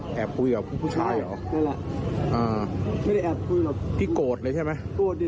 สารเหตุอะไรที่เขาทำหนูว่ะ